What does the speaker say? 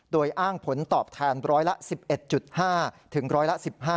โดยอ้างผลตอบแทนร้อยละ๑๑๕ถึงร้อยละ๑๕